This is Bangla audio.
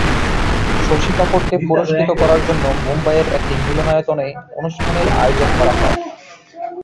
শশী কাপুরকে পুরস্কৃত করার জন্য মুম্বাইয়ের একটি মিলনায়তনে অনুষ্ঠানের আয়োজন করা হয়।